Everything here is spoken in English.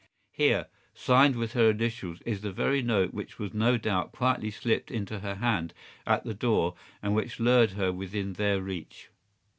Here, signed with her initials, is the very note which was no doubt quietly slipped into her hand at the door, and which lured her within their reach.